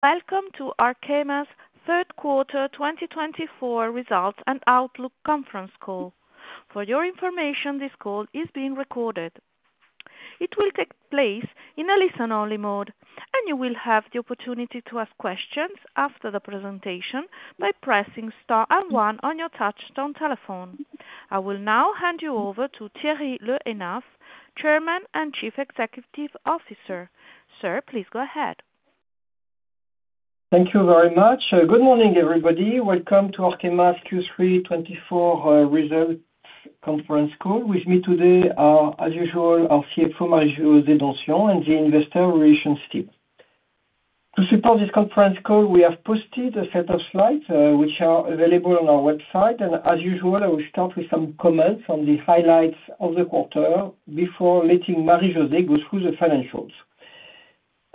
Welcome to Arkema's third quarter 2024 results and outlook conference call. For your information, this call is being recorded. It will take place in a listen-only mode, and you will have the opportunity to ask questions after the presentation by pressing star and one on your touchtone telephone. I will now hand you over to Thierry Le Hénaff, Chairman and Chief Executive Officer. Sir, please go ahead. Thank you very much. Good morning, everybody. Welcome to Arkema's Q3 2024 results conference call. With me today are, as usual, our CFO, Marie-José Donsion, and Investor Relations, Béatrice Zilm. To support this conference call, we have posted a set of slides which are available on our website. And as usual, I will start with some comments on the highlights of the quarter before letting Marie-José go through the financials.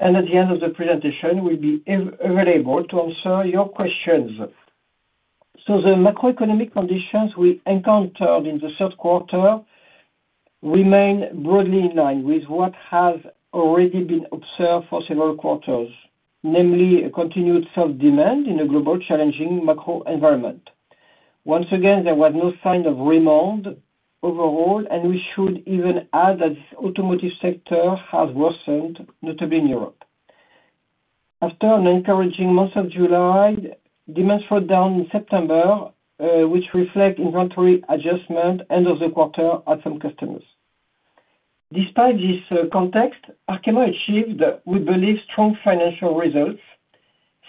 And at the end of the presentation, we'll be available to answer your questions. So the macroeconomic conditions we encountered in the third quarter remain broadly in line with what has already been observed for several quarters, namely a continued soft demand in a global challenging macro environment. Once again, there was no sign of rebound overall, and we should even add that the automotive sector has worsened, notably in Europe. After an encouraging month of July, demand slowed down in September, which reflects inventory adjustment at end of the quarter at some customers. Despite this context, Arkema achieved, we believe, strong financial results,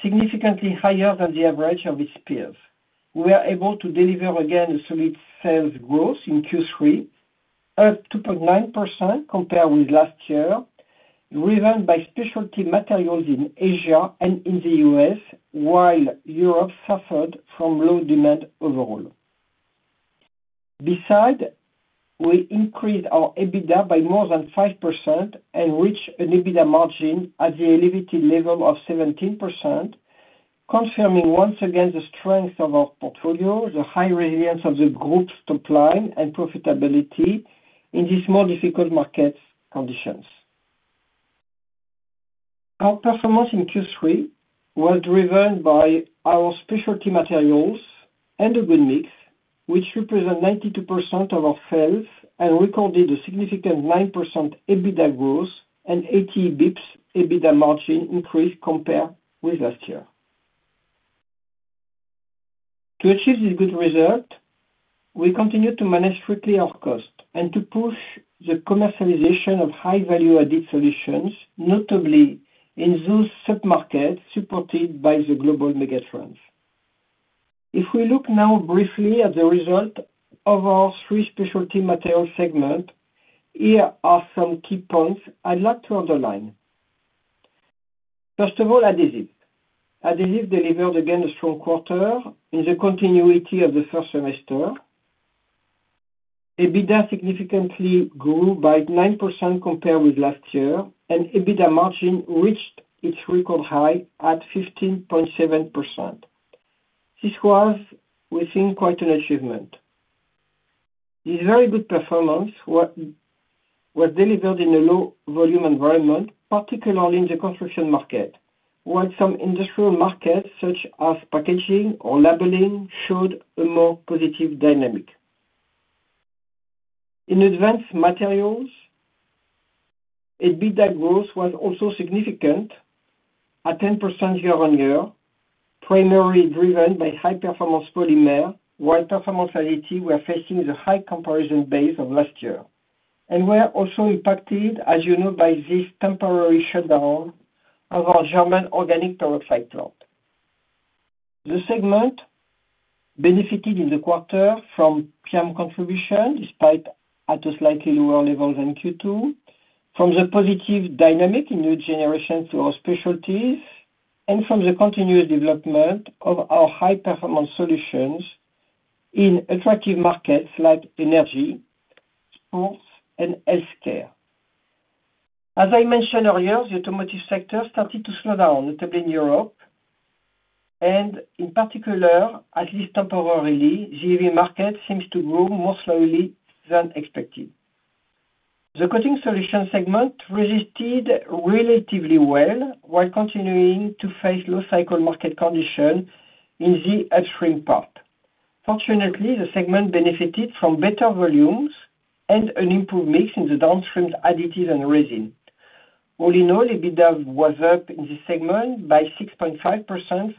significantly higher than the average of its peers. We were able to deliver again a solid sales growth in Q3, up 2.9% compared with last year, driven by specialty materials in Asia and in the U.S., while Europe suffered from low demand overall. Besides, we increased our EBITDA by more than 5% and reached an EBITDA margin at the elevated level of 17%, confirming once again the strength of our portfolio, the high resilience of the group's top line, and profitability in these more difficult market conditions. Our performance in Q3 was driven by our specialty materials and a good mix, which represent 92% of our sales, and recorded a significant 9% EBITDA growth and 80 bps EBITDA margin increase compared with last year. To achieve this good result, we continued to manage strictly our cost and to push the commercialization of high-value added solutions, notably in those sub-markets supported by the global megatrends. If we look now briefly at the result of our three specialty materials segments, here are some key points I'd like to underline. First of all, adhesive. Adhesive delivered again a strong quarter in the continuity of the first semester. EBITDA significantly grew by 9% compared with last year, and EBITDA margin reached its record high at 15.7%. This was, we think, quite an achievement. This very good performance was delivered in a low-volume environment, particularly in the construction market, while some industrial markets such as packaging or labeling showed a more positive dynamic. In advanced materials, EBITDA growth was also significant, at 10% year-on-year, primarily driven by high-performance polymer, while performance additives were facing the high comparison base of last year. And we were also impacted, as you know, by this temporary shutdown of our German organic peroxide plant. The segment benefited in the quarter from PIAM contribution, despite at a slightly lower level than Q2, from the positive dynamic in new generations to our specialties, and from the continuous development of our high-performance solutions in attractive markets like energy, sports, and healthcare. As I mentioned earlier, the automotive sector started to slow down, notably in Europe, and in particular, at least temporarily, the EV market seems to grow more slowly than expected. The Coating Solutions segment resisted relatively well, while continuing to face low-cycle market conditions in the upstream part. Fortunately, the segment benefited from better volumes and an improved mix in the downstream additives and resin. All in all, EBITDA was up in this segment by 6.5%,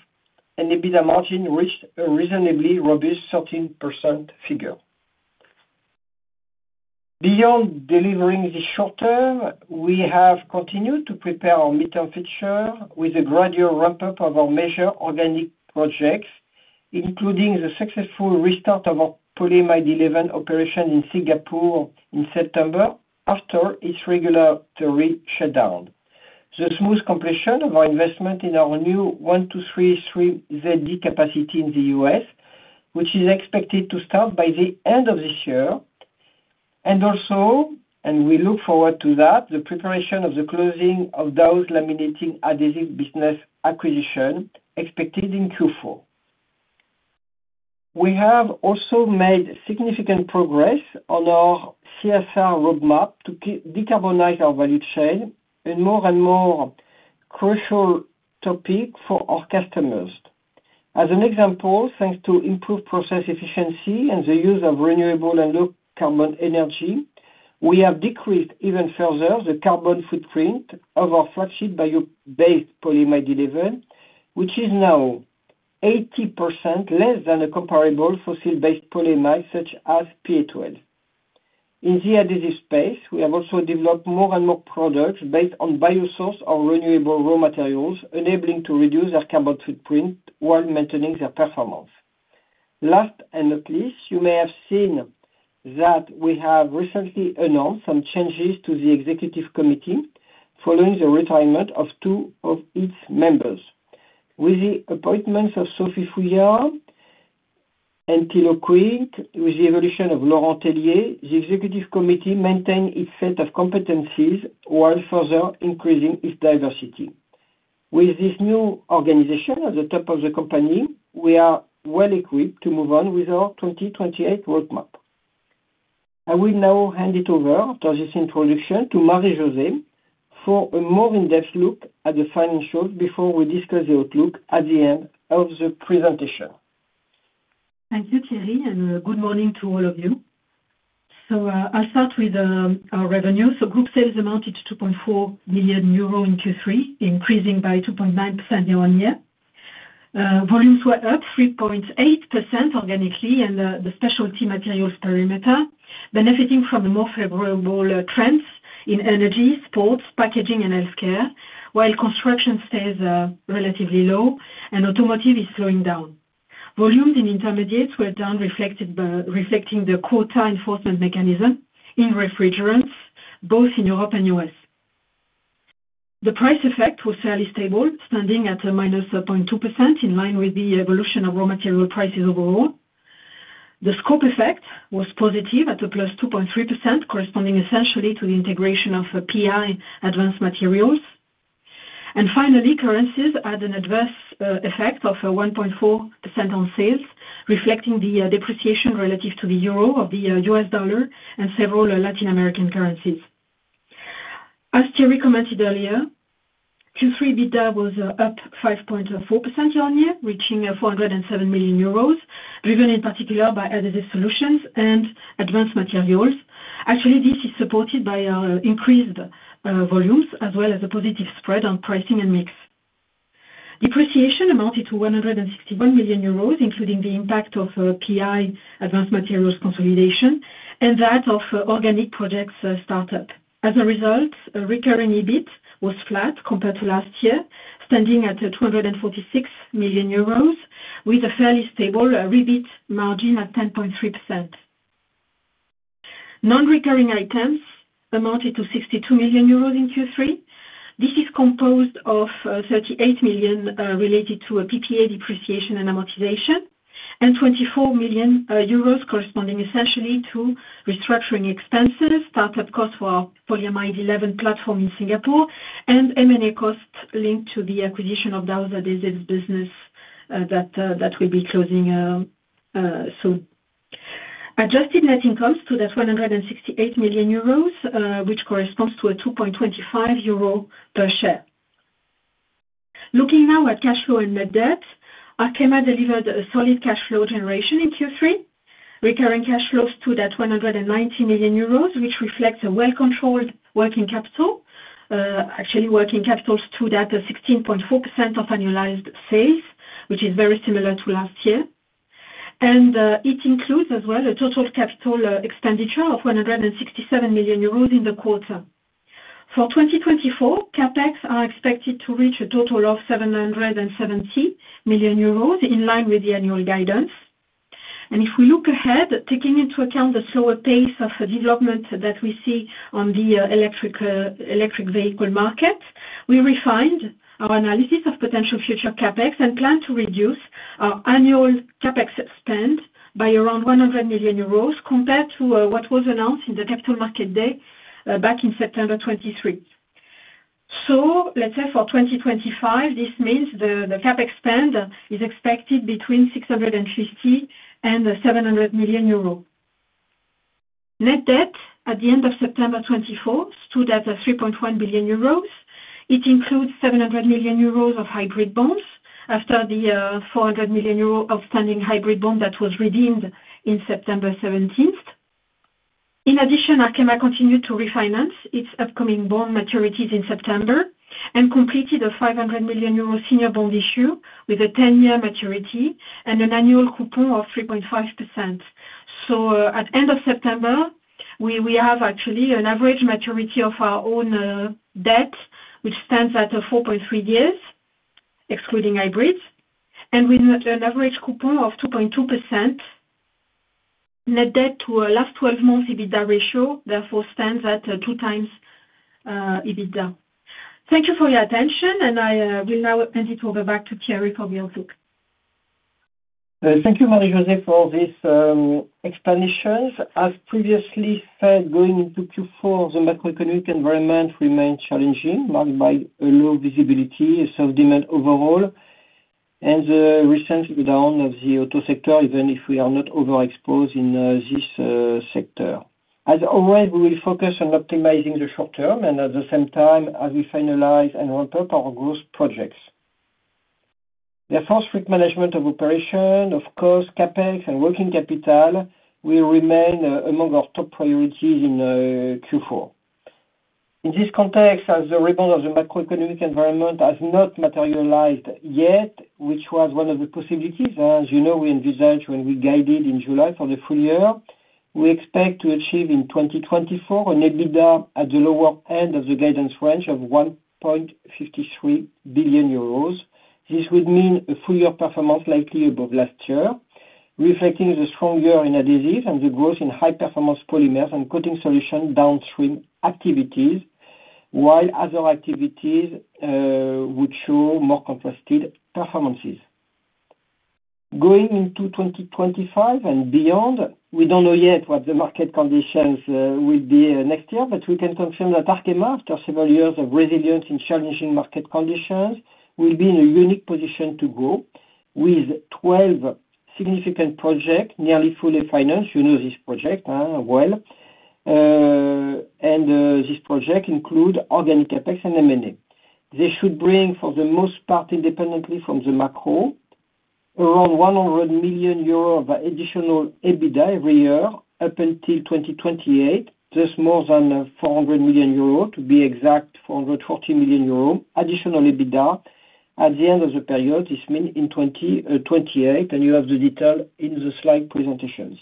and EBITDA margin reached a reasonably robust 13% figure. Beyond delivering this short term, we have continued to prepare our midterm future with a gradual ramp-up of our major organic projects, including the successful restart of our polyamide 11 operation in Singapore in September after its regulatory shutdown, the smooth completion of our investment in our new 1233zd capacity in the U.S., which is expected to start by the end of this year, and also we look forward to that, the preparation of the closing of Dow's laminating adhesives business acquisition expected in Q4. We have also made significant progress on our CSR roadmap to decarbonize our value chain and a more and more crucial topic for our customers. As an example, thanks to improved process efficiency and the use of renewable and low-carbon energy, we have decreased even further the carbon footprint of our flagship bio-based polyamide 11, which is now 80% less than a comparable fossil-based polyamide such as PA12. In the additive space, we have also developed more and more products based on biosource or renewable raw materials, enabling to reduce their carbon footprint while maintaining their performance. Last and not least, you may have seen that we have recently announced some changes to the executive committee following the retirement of two of its members. With the appointments of Sophie Fouillat and Tilo Quink, with the evolution of Laurent Tellier, the executive committee maintained its set of competencies while further increasing its diversity. With this new organization at the top of the company, we are well equipped to move on with our 2028 roadmap. I will now hand it over after this introduction to Marie-José for a more in-depth look at the financials before we discuss the outlook at the end of the presentation. Thank you, Thierry, and good morning to all of you. So I'll start with our revenue. So group sales amounted to 2.4 billion euro in Q3, increasing by 2.9% year-on-year. Volumes were up 3.8% organically and the specialty materials perimeter, benefiting from the more favorable trends in energy, sports, packaging, and healthcare, while construction stays relatively low and automotive is slowing down. Volumes in intermediates were down, reflecting the quota enforcement mechanism in refrigerants, both in Europe and U.S. The price effect was fairly stable, standing at a -0.2% in line with the evolution of raw material prices overall. The scope effect was positive at a +2.3%, corresponding essentially to the integration of PI Advanced Materials. And finally, currencies had an adverse effect of 1.4% on sales, reflecting the depreciation relative to the euro of the U.S. dollar and several Latin American currencies. As Thierry commented earlier, Q3 EBITDA was up 5.4% year-on-year, reaching 407 million euros, driven in particular by Adhesive Solutions and Advanced Materials. Actually, this is supported by increased volumes as well as a positive spread on pricing and mix. Depreciation amounted to 161 million euros, including the impact of PI Advanced Materials consolidation and that of organic projects startup. As a result, recurring EBIT was flat compared to last year, standing at 246 million euros, with a fairly stable EBITDA margin at 10.3%. Non-recurring items amounted to 62 million euros in Q3. This is composed of 38 million related to PPA depreciation and amortization, and 24 million euros corresponding essentially to restructuring expenses, startup costs for our polyamide 11 platform in Singapore, and M&A costs linked to the acquisition of Dow's Adhesive business that we'll be closing soon. Adjusted net income stood at 168 million euros, which corresponds to a 2.25 euro per share. Looking now at cash flow and net debt, Arkema delivered a solid cash flow generation in Q3. Recurring cash flow stood at 190 million euros, which reflects a well-controlled working capital. Actually, working capital stood at 16.4% of annualized sales, which is very similar to last year, and it includes as well a total capital expenditure of 167 million euros in the quarter. For 2024, CapEx is expected to reach a total of 770 million euros in line with the annual guidance, and if we look ahead, taking into account the slower pace of development that we see on the electric vehicle market, we refined our analysis of potential future CapEx and plan to reduce our annual CapEx spend by around 100 million euros compared to what was announced in the Capital Market Day back in September 2023. So let's say for 2025, this means the CapEX spend is expected between 650 million and 700 million euros. Net debt at the end of September 2024 stood at 3.1 billion euros. It includes 700 million euros of hybrid bonds after the 400 million euro outstanding hybrid bond that was redeemed in September 17th. In addition, Arkema continued to refinance its upcoming bond maturities in September and completed a 500 million euro senior bond issue with a 10-year maturity and an annual coupon of 3.5%. So at the end of September, we have actually an average maturity of our own debt, which stands at 4.3 years, excluding hybrids, and with an average coupon of 2.2%. Net debt to last 12 months EBITDA ratio therefore stands at 2x EBITDA. Thank you for your attention, and I will now hand it over back to Thierry for the outlook. Thank you, Marie-José, for all these explanations. As previously said, going into Q4, the macroeconomic environment remained challenging, marked by a low visibility of demand overall and the recent slowdown of the auto sector, even if we are not overexposed in this sector. As always, we will focus on optimizing the short term and at the same time as we finalize and ramp up our growth projects. Therefore, strict management of operations, of course, CapEx and working capital will remain among our top priorities in Q4. In this context, as the rebound of the macroeconomic environment has not materialized yet, which was one of the possibilities, as you know, we envisaged when we guided in July for the full year, we expect to achieve in 2024 an EBITDA at the lower end of the guidance range of 1.53 billion euros. This would mean a full-year performance likely above last year, reflecting the strong year in additive and the growth in high-performance polymers and coating solution downstream activities, while other activities would show more contrasted performances. Going into 2025 and beyond, we don't know yet what the market conditions will be next year, but we can confirm that Arkema, after several years of resilience in challenging market conditions, will be in a unique position to grow with 12 significant projects nearly fully financed. You know this project well, and these projects include organic CapEx and M&A. They should bring, for the most part, independently from the macro, around 100 million euros of additional EBITDA every year up until 2028, thus more than 400 million euro to be exact 440 million euro additional EBITDA at the end of the period. This means in 2028, and you have the detail in the slide presentations.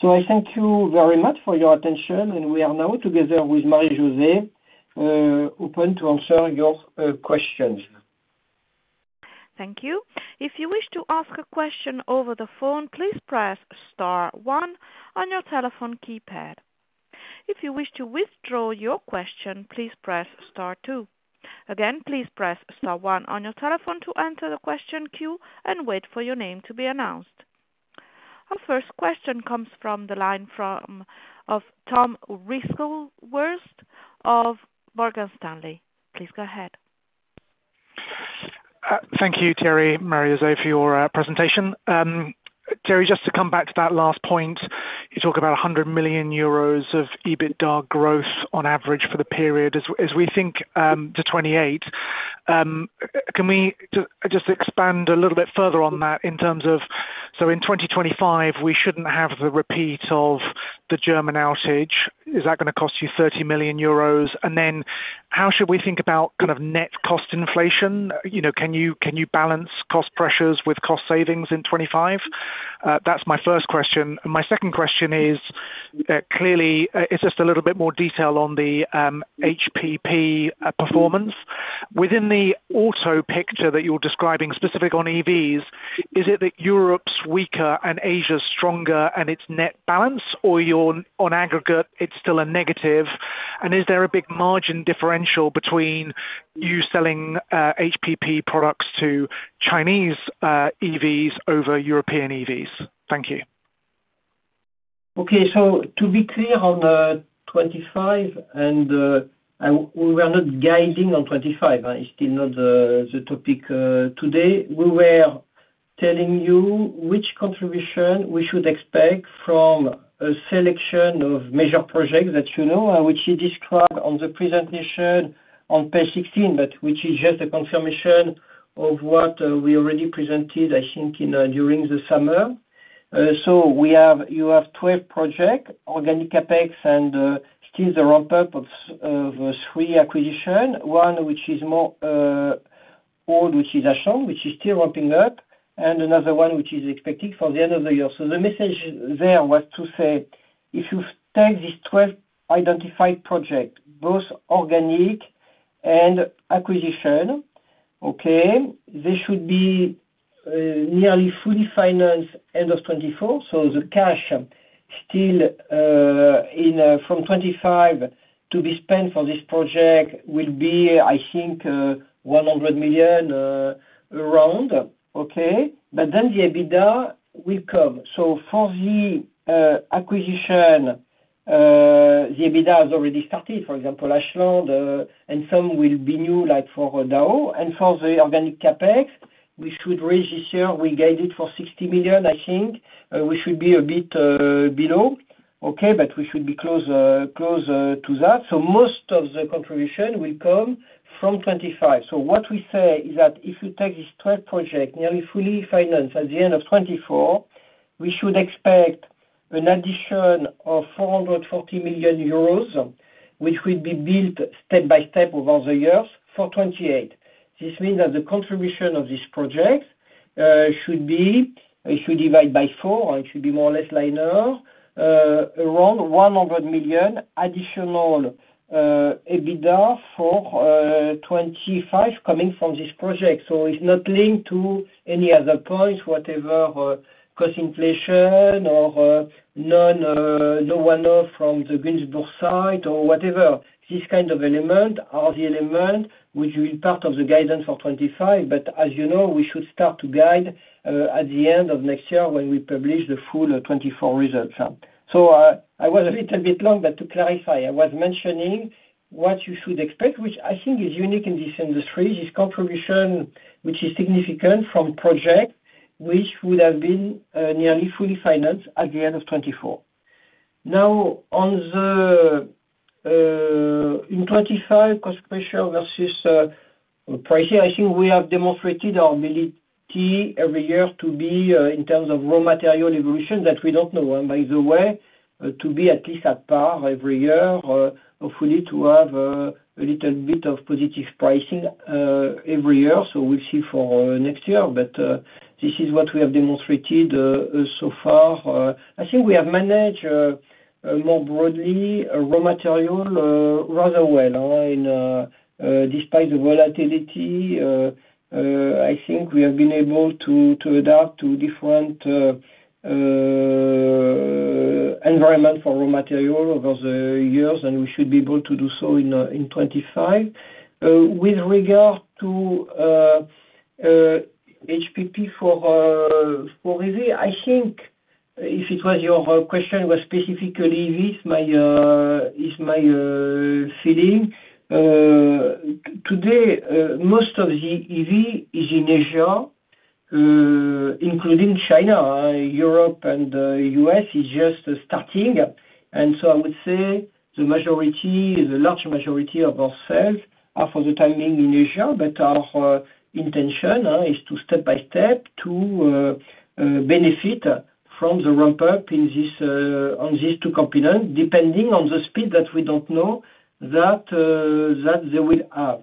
So I thank you very much for your attention, and we are now together with Marie-José open to answer your questions. Thank you. If you wish to ask a question over the phone, please press star one on your telephone keypad. If you wish to withdraw your question, please press star two. Again, please press star one on your telephone to enter the question queue and wait for your name to be announced. Our first question comes from the line of Tom Wrigglesworth of Morgan Stanley. Please go ahead. Thank you, Thierry, Marie-José, for your presentation. Thierry, just to come back to that last point, you talk about 100 million euros of EBITDA growth on average for the period as we think to 2028. Can we just expand a little bit further on that in terms of, so in 2025, we shouldn't have the repeat of the German outage. Is that going to cost you 30 million euros? And then how should we think about kind of net cost inflation? Can you balance cost pressures with cost savings in 2025? That's my first question. And my second question is, clearly, it's just a little bit more detail on the HPP performance. Within the auto picture that you're describing specifically on EVs, is it that Europe's weaker and Asia's stronger in its net balance, or on aggregate, it's still a negative? Is there a big margin differential between you selling HPP products to Chinese EVs over European EVs? Thank you. Okay. So to be clear on 2025, and we were not guiding on 2025. It's still not the topic today. We were telling you which contribution we should expect from a selection of major projects that you know, which you described on the presentation on page 16, but which is just a confirmation of what we already presented, I think, during the summer. So you have 12 projects, organic CapEx, and still the ramp-up of three acquisitions, one which is more old, which is strong, which is still ramping up, and another one which is expected for the end of the year. So the message there was to say, if you take these 12 identified projects, both organic and acquisition, okay, they should be nearly fully financed end of 2024. So the cash still from 2025 to be spent for this project will be, I think, 100 million around, okay? Then the EBITDA will come. So for the acquisition, the EBITDA has already started, for example, Ashland, and some will be new like for Dow. And for the organic CapEx, we should register. We guided for 60 million, I think, which would be a bit below, okay, but we should be close to that. So most of the contribution will come from 2025. So what we say is that if you take these 12 projects nearly fully financed at the end of 2024, we should expect an addition of 440 million euros, which will be built step by step over the years for 2028. This means that the contribution of these projects should be divided by four, or it should be more or less linear, around 100 million additional EBITDA for 2025 coming from these projects. It's not linked to any other points, whatever cost inflation or no one-off from the Günzburg site or whatever. This kind of element are the element which will be part of the guidance for 2025. As you know, we should start to guide at the end of next year when we publish the full 2024 results. I was a little bit long, but to clarify, I was mentioning what you should expect, which I think is unique in this industry, is contribution which is significant from projects which would have been nearly fully financed at the end of 2024. Now, in 2025, cost pressure versus pricing, I think we have demonstrated our ability every year to be in terms of raw material evolution that we don't know, by the way, to be at least at par every year, hopefully to have a little bit of positive pricing every year. So we'll see for next year, but this is what we have demonstrated so far. I think we have managed more broadly raw material rather well. Despite the volatility, I think we have been able to adapt to different environments for raw material over the years, and we should be able to do so in 2025. With regard to HPP for EV, I think if it was your question, it was specifically EVs, is my feeling. Today, most of the EV is in Asia, including China. Europe and the U.S. is just starting. So I would say the majority, the large majority of our sales are for the timing in Asia, but our intention is to step by step to benefit from the ramp-up on these two continents, depending on the speed that we don't know that they will have.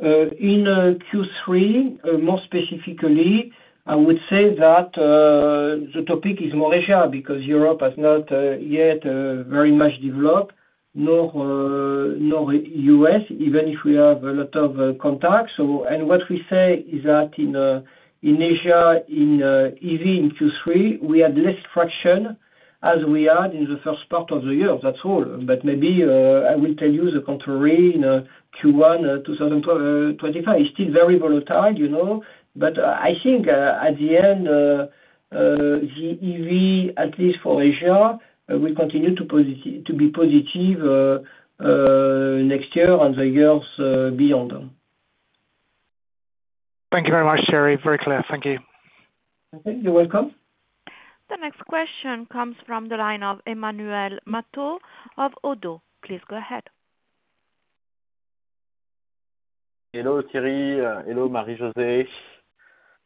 In Q3, more specifically, I would say that the topic is more Asia because Europe has not yet very much developed, nor the U.S., even if we have a lot of contacts. And what we say is that in Asia, in EV, in Q3, we had less traction as we had in the first part of the year. That's all. But maybe I will tell you the contrary in Q1 2025. It's still very volatile, but I think at the end, the EV, at least for Asia, will continue to be positive next year and the years beyond. Thank you very much, Thierry. Very clear. Thank you. Okay. You're welcome. The next question comes from the line of Emmanuel Matot of Oddo. Please go ahead. Hello, Thierry. Hello, Marie-José.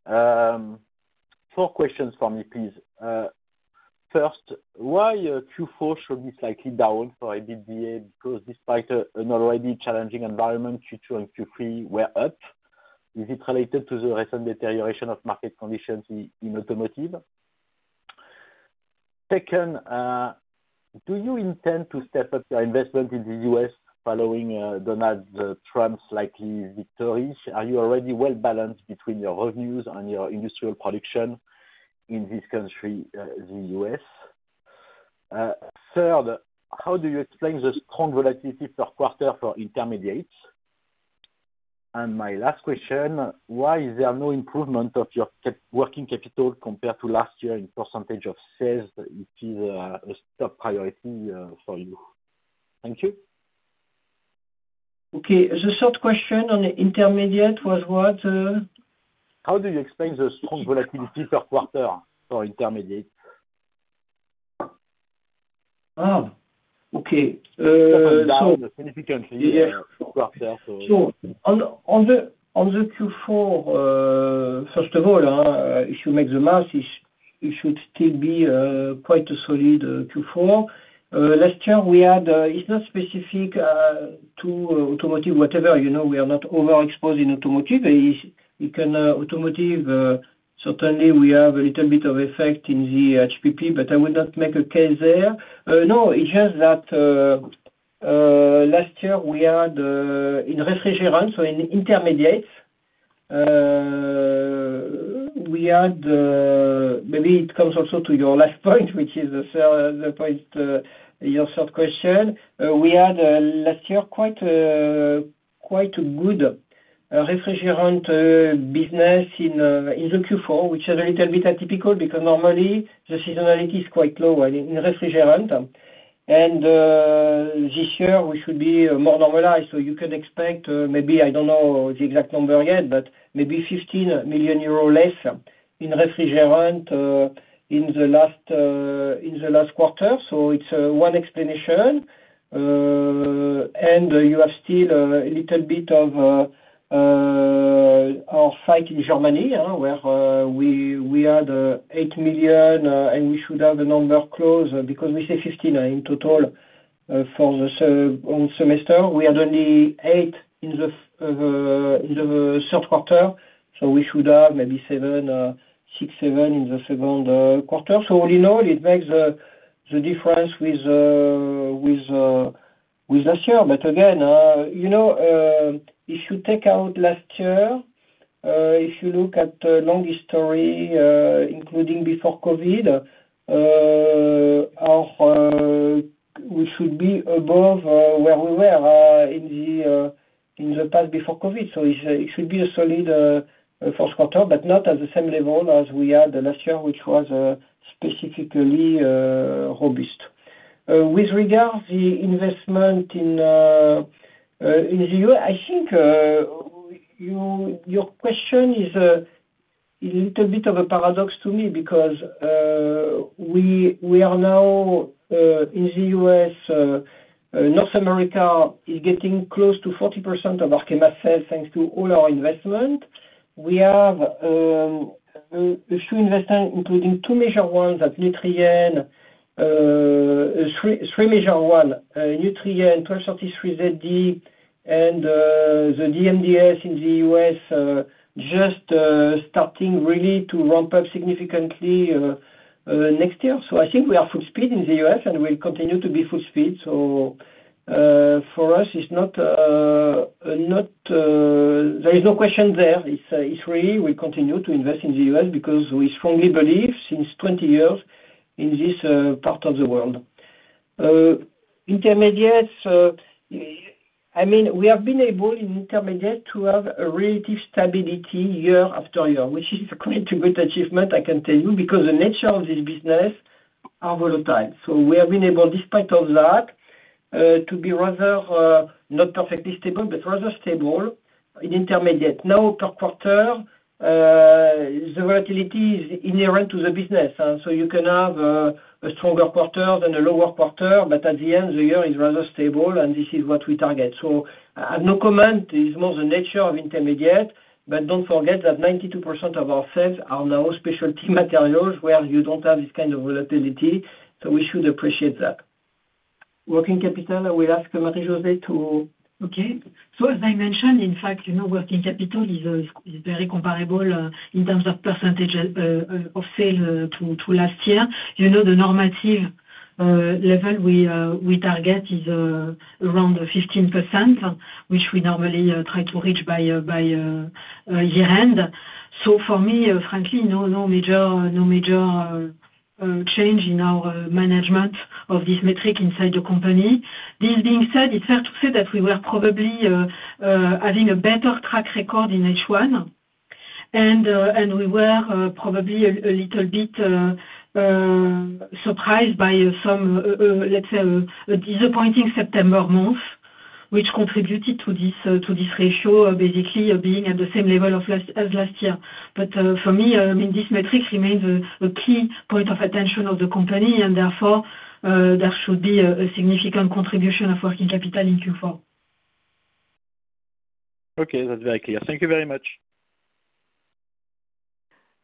Four questions for me, please. First, why Q4 should be slightly down for EBITDA? Because despite an already challenging environment, Q2 and Q3 were up. Is it related to the recent deterioration of market conditions in automotive? Second, do you intend to step up your investment in the U.S. following Donald Trump's likely victory? Are you already well balanced between your revenues and your industrial production in this country, the U.S.? Third, how do you explain the strong volatility per quarter for intermediates? And my last question, why is there no improvement of your working capital compared to last year in percentage of sales? It is a top priority for you. Thank you. Okay. The short question on intermediate was what? How do you explain the strong volatility per quarter for intermediates? Okay. So. It's gone down significantly per quarter. Sure. On the Q4, first of all, if you make the math, it should still be quite a solid Q4. Last year, we had, it's not specific to automotive, whatever. We are not overexposed in automotive. In automotive, certainly, we have a little bit of effect in the HPP, but I would not make a case there. No, it's just that last year, we had in refrigerants or in intermediates, we had, maybe it comes also to your last point, which is the point, your third question. We had last year quite a good refrigerant business in the Q4, which is a little bit atypical because normally, the seasonality is quite low in refrigerants. And this year, we should be more normalized. So you can expect maybe, I don't know the exact number yet, but maybe 15 million euro less in refrigerants in the last quarter. So it's one explanation. And you have still a little bit of our site in Germany, where we had 8 million, and we should have a number close because we say 15 million in total for the semester. We had only 8 million in the third quarter. So we should have maybe 6 million, 7 million in the second quarter. So we know it makes the difference with last year. But again, if you take out last year, if you look at long history, including before COVID, we should be above where we were in the past before COVID. So it should be a solid first quarter, but not at the same level as we had last year, which was specifically robust. With regards to the investment in the U.S., I think your question is a little bit of a paradox to me because we are now in the U.S., North America is getting close to 40% of our sales thanks to all our investment. We have a few investments, including two major ones at Nutrien, the three major ones, Nutrien, 1233zd, and the DMDS in the U.S., just starting really to ramp up significantly next year. So I think we are full speed in the U.S., and we'll continue to be full speed. So for us, there is no question there. It's really we continue to invest in the U.S. because we strongly believe since 20 years in this part of the world. Intermediates, I mean, we have been able in intermediates to have a relative stability year after year, which is quite a good achievement, I can tell you, because the nature of this business is volatile. So we have been able, despite all that, to be rather not perfectly stable, but rather stable in intermediates. Now, per quarter, the volatility is inherent to the business. So you can have a stronger quarter than a lower quarter, but at the end, the year is rather stable, and this is what we target. So I have no comment. It's more the nature of intermediates, but don't forget that 92% of our sales are now specialty materials where you don't have this kind of volatility. So we should appreciate that. Working capital? I will ask Marie-José. Okay. So as I mentioned, in fact, working capital is very comparable in terms of percentage of sales to last year. The normative level we target is around 15%, which we normally try to reach by year-end. So for me, frankly, no major change in our management of this metric inside the company. This being said, it's fair to say that we were probably having a better track record in H1, and we were probably a little bit surprised by some, let's say, a disappointing September month, which contributed to this ratio, basically being at the same level as last year. But for me, I mean, this metric remains a key point of attention of the company, and therefore, there should be a significant contribution of working capital in Q4. Okay. That's very clear. Thank you very much.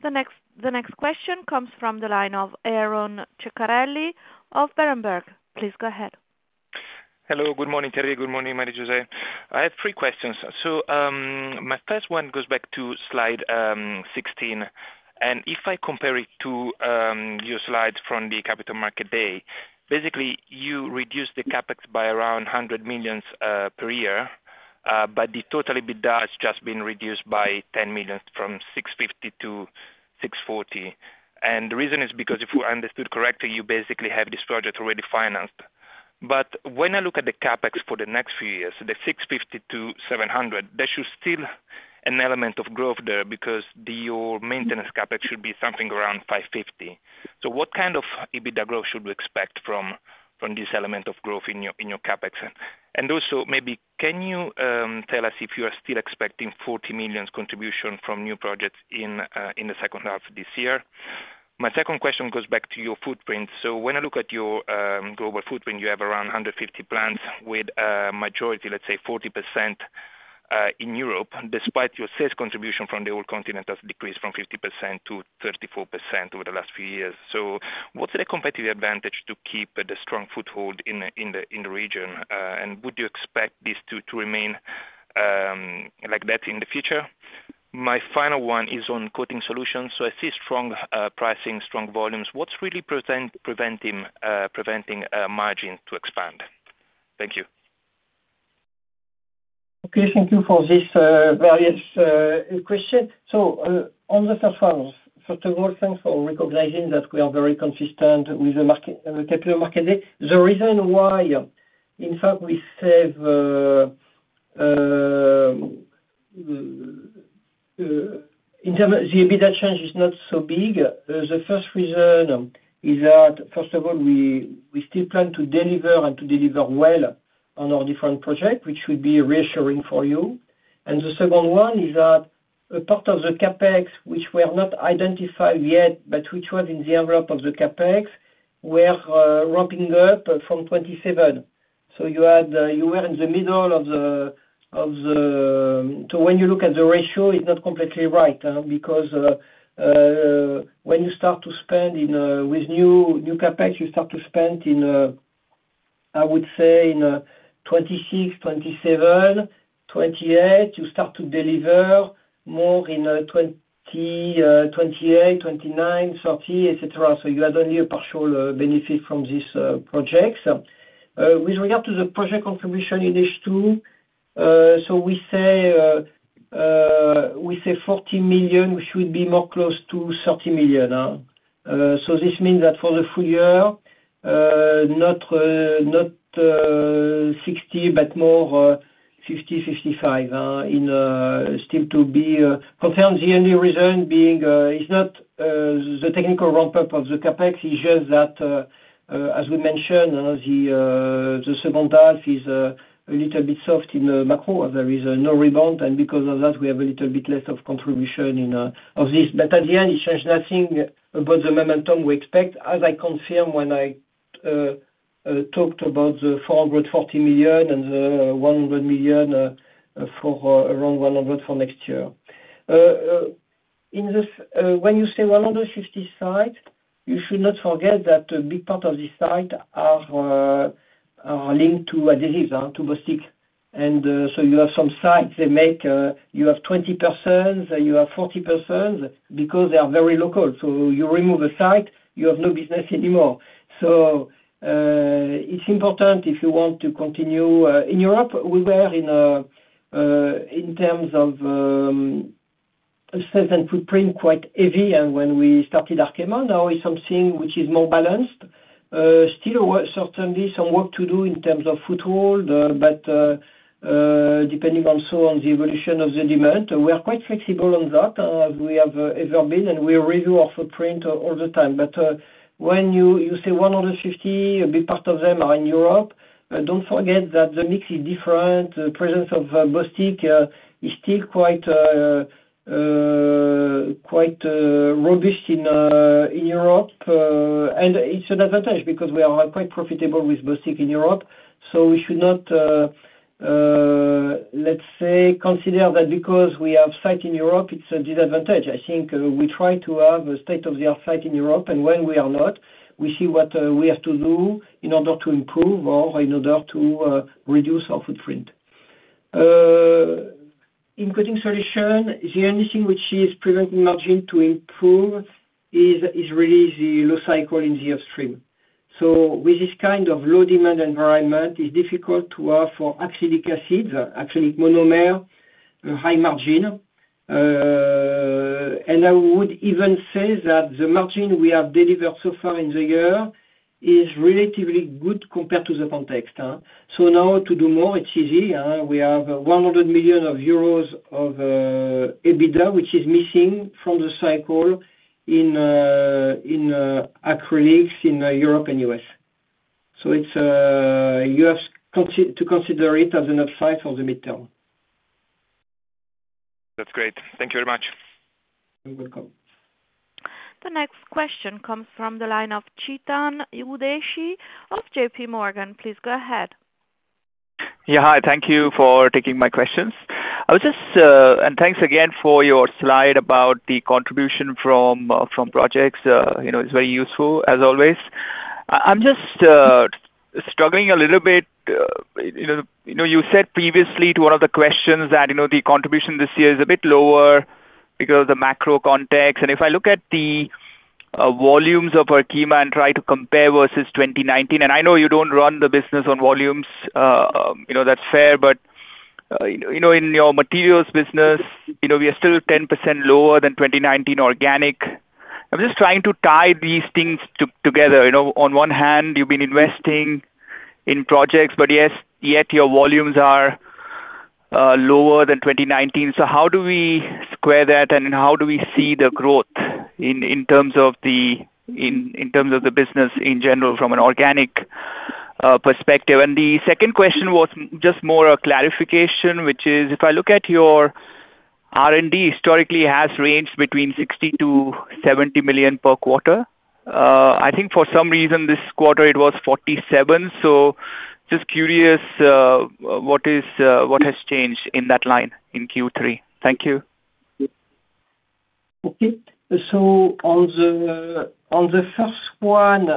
The next question comes from the line of Aron Ceccarelli of Berenberg. Please go ahead. Hello. Good morning, Thierry. Good morning, Marie-José. I have three questions. My first one goes back to slide 16. If I compare it to your slides from the Capital Market Day, basically, you reduced the CapEx by around 100 million per year, but the total EBITDA has just been reduced by 10 million from 650 million to 640 million. The reason is because if we understood correctly, you basically have this project already financed. When I look at the CapEx for the next few years, the 650 million to 700 million, there should still be an element of growth there because your maintenance CapEx should be something around 550 million. What kind of EBITDA growth should we expect from this element of growth in your CapEx? And also, maybe can you tell us if you are still expecting 40 million contribution from new projects in the second half of this year? My second question goes back to your footprint. So when I look at your global footprint, you have around 150 plants with a majority, let's say, 40% in Europe, despite your sales contribution from the whole continent has decreased from 50% to 34% over the last few years. So what's the competitive advantage to keep the strong foothold in the region? And would you expect this to remain like that in the future? My final one is on coating solutions. So I see strong pricing, strong volumes. What's really preventing margin to expand? Thank you. Okay. Thank you for these various questions. So on the first one, first of all, thanks for recognizing that we are very consistent with the Capital Market Day. The reason why, in fact, we save the EBITDA change is not so big. The first reason is that, first of all, we still plan to deliver and to deliver well on our different projects, which would be reassuring for you. And the second one is that part of the CapEx, which we have not identified yet, but which was in the envelope of the CapEx, we are ramping up from 2027. So you were in the middle of the, so when you look at the ratio, it's not completely right because when you start to spend with new CapEx, you start to spend in, I would say, in 2026, 2027, 2028. You start to deliver more in 2028, 2029, 2030, etc. So you had only a partial benefit from these projects. With regard to the project contribution in H2, so we say 40 million, we should be more close to 30 million. So this means that for the full year, not EUR 60 million, but more 50 million, EUR 55 million, still to be concerned. The only reason being it's not the technical ramp-up of the CapEx. It's just that, as we mentioned, the second half is a little bit soft in the macro. There is no rebound. And because of that, we have a little bit less of contribution in this. But at the end, it changed nothing about the momentum we expect, as I confirmed when I talked about the 440 million and the 100 million for around 100 million for next year. When you say 150 site, you should not forget that a big part of the site are linked to adhesives, to plastic. And so you have some sites. You have 20 persons. You have 40 persons because they are very local. So you remove a site, you have no business anymore. So it's important if you want to continue. In Europe, we were in terms of sales and footprint quite heavy. And when we started Arkema now, it's something which is more balanced. Still, certainly some work to do in terms of footprint, but depending also on the evolution of the demand. We are quite flexible on that as we have ever been, and we review our footprint all the time. But when you say 150, a big part of them are in Europe. Don't forget that the mix is different. The presence of Bostik is still quite robust in Europe. And it's an advantage because we are quite profitable with Bostik in Europe. So we should not, let's say, consider that because we have a site in Europe, it's a disadvantage. I think we try to have a state-of-the-art site in Europe, and when we are not, we see what we have to do in order to improve or in order to reduce our footprint. In Coating Solutions, the only thing which is preventing margin to improve is really the low cycle in the upstream. So with this kind of low demand environment, it's difficult to have for acrylic acids, acrylic monomer, high margin. And I would even say that the margin we have delivered so far in the year is relatively good compared to the context. So now to do more, it's easy. We have 100 million euros of EBITDA, which is missing from the cycle in acrylics in Europe and U.S. So you have to consider it as an upside for the midterm. That's great. Thank you very much. You're welcome. The next question comes from the line of Chetan Udeshi of JPMorgan. Please go ahead. Yeah. Hi. Thank you for taking my questions. And thanks again for your slide about the contribution from projects. It's very useful, as always. I'm just struggling a little bit. You said previously to one of the questions that the contribution this year is a bit lower because of the macro context. And if I look at the volumes of Arkema and try to compare versus 2019, and I know you don't run the business on volumes. That's fair. But in your materials business, we are still 10% lower than 2019 organic. I'm just trying to tie these things together. On one hand, you've been investing in projects, but yet your volumes are lower than 2019. So how do we square that, and how do we see the growth in terms of the business in general from an organic perspective? The second question was just more a clarification, which is if I look at your R&D, historically has ranged between 60 million-70 million per quarter. I think for some reason this quarter it was 47 million. So just curious what has changed in that line in Q3. Thank you. Okay. So on the first one,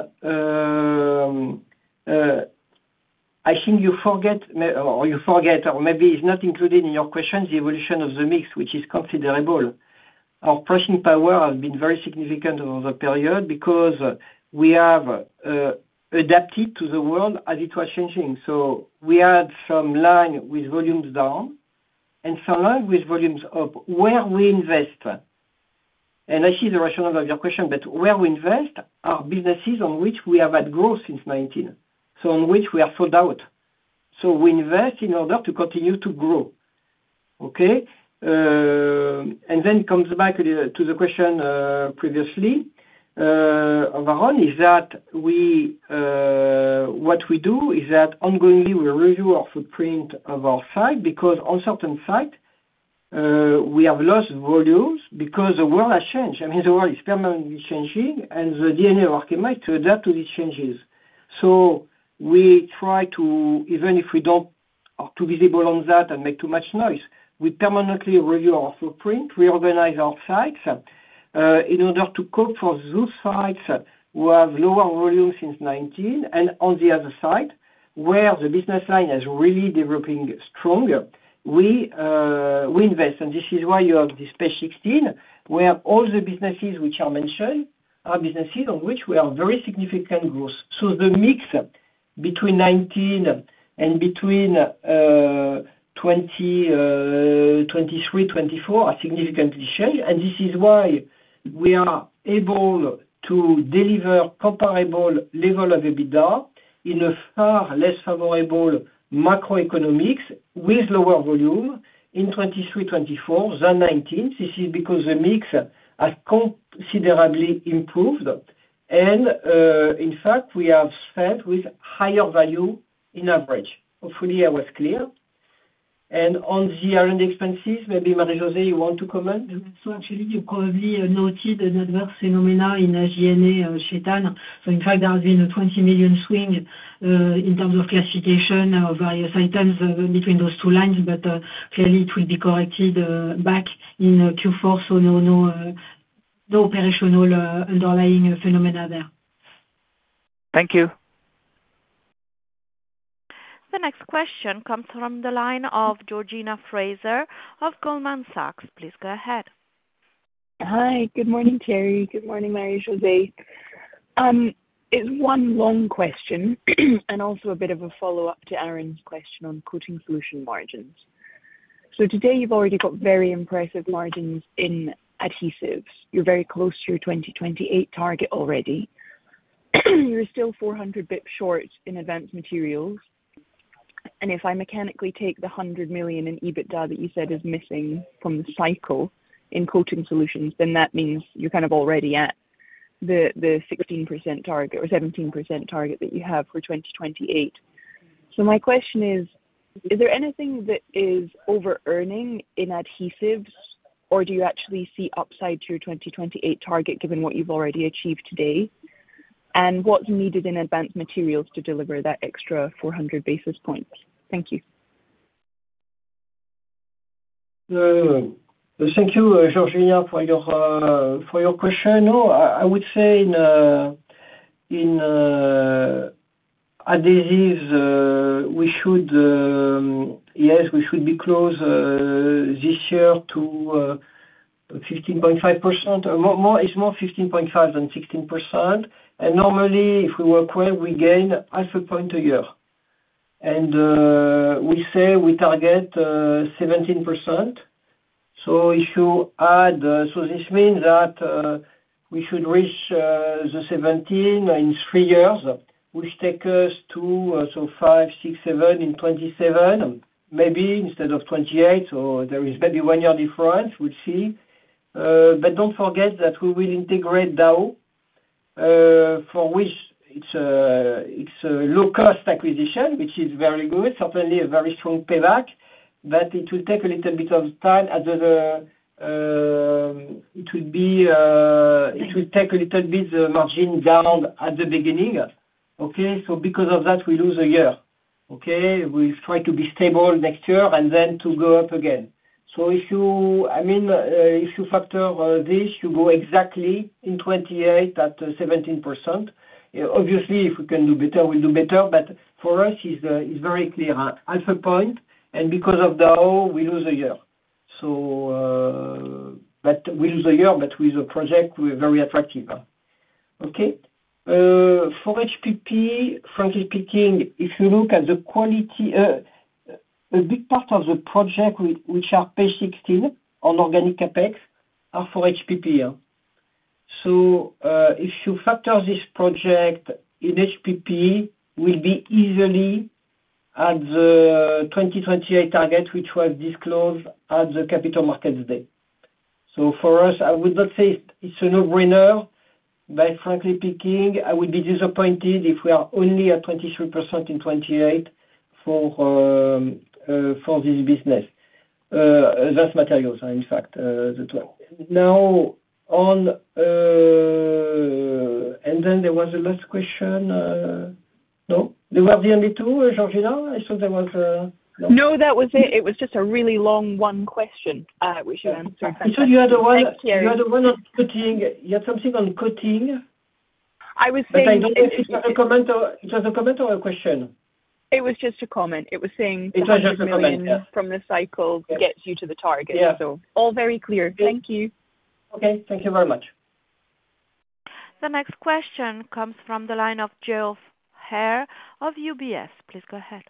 I think you forget, or maybe it's not included in your questions, the evolution of the mix, which is considerable. Our pricing power has been very significant over the period because we have adapted to the world as it was changing. So we had some line with volumes down and some line with volumes up where we invest. And I see the rationale of your question, but where we invest are businesses on which we have had growth since 2019, so on which we are sold out. So we invest in order to continue to grow. Okay? And then it comes back to the question previously of Aron, is that what we do is that ongoingly we review our footprint of our site because on certain sites, we have lost volumes because the world has changed. I mean, the world is permanently changing, and the DNA of Arkema is to adapt to these changes. So we try to, even if we don't are too visible on that and make too much noise, we permanently review our footprint, reorganize our sites in order to cope for those sites who have lower volumes since 2019. And on the other side, where the business line is really developing strong, we invest. And this is why you have this page 16, where all the businesses which are mentioned are businesses on which we have very significant growth. So the mix between 2019 and between 2023, 2024 has significantly changed. And this is why we are able to deliver comparable level of EBITDA in a far less favorable macroeconomics with lower volume in 2023, 2024 than 2019. This is because the mix has considerably improved. In fact, we have spent with higher value in average. Hopefully, I was clear. On the R&D expenses, maybe Marie-José, you want to comment? Actually, you probably noted an adverse phenomenon in EBITDA, Chetan. In fact, there has been a 20 million swing in terms of classification of various items between those two lines, but clearly it will be corrected back in Q4. No operational underlying phenomenon there. Thank you. The next question comes from the line of Georgina Fraser of Goldman Sachs. Please go ahead. Hi. Good morning, Thierry. Good morning, Marie-José. It's one long question and also a bit of a follow-up to Aron's question on Coating Solutions margins. So today, you've already got very impressive margins in adhesives. You're very close to your 2028 target already. You're still 400 bps short in Advanced Materials. And if I mechanically take the 100 million in EBITDA that you said is missing from the cycle in Coating Solutions, then that means you're kind of already at the 16% target or 17% target that you have for 2028. So my question is, is there anything that is over-earning in adhesives, or do you actually see upside to your 2028 target given what you've already achieved today? And what's needed in Advanced Materials to deliver that extra 400 basis points? Thank you. Thank you, Georgina, for your question. No, I would say in adhesives, we should, yes, we should be close this year to 15.5%. It's more 15.5% than 16%. And normally, if we work well, we gain half a point a year. And we say we target 17%. So if you add, so this means that we should reach the 17% in three years, which takes us to, so five, six, seven in 2027, maybe instead of 2028. So there is maybe one year difference. We'll see. But don't forget that we will integrate Dow, for which it's a low-cost acquisition, which is very good, certainly a very strong payback. But it will take a little bit of time as it will take a little bit the margin down at the beginning. Okay? So because of that, we lose a year. Okay? We try to be stable next year and then to go up again. So I mean, if you factor this, you go exactly in 2028 at 17%. Obviously, if we can do better, we'll do better, but for us, it's very clear, half a point, and because of Dow, we lose a year, but we lose a year, but with a project very attractive. Okay? For HPP, frankly speaking, if you look at the quality, a big part of the projects which are page 16 on organic CapEx are for HPP. So if you factor this project in HPP, we'll be easily at the 2028 target which was disclosed at the Capital Market Day. So for us, I would not say it's a no-brainer, but frankly speaking, I would be disappointed if we are only at 23% in 2028 for this business, advanced materials, in fact. Now, and then there was a last question. No? They were the only two, Georgina? I thought there was a. No, that was it. It was just a really long one question which you answered. You said you had one on coating. You had something on coating. I was saying if. It was a comment or it was a comment or a question? It was just a comment. I was saying from the cycle gets you to the target. So all very clear. Thank you. Okay. Thank you very much. The next question comes from the line of Geoff Haire of UBS. Please go ahead.